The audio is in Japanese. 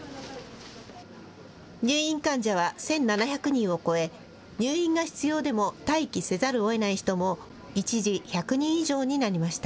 入院患者は１７００人を超え、入院が必要でも待機せざるをえない人も、一時、１００人以上になりました。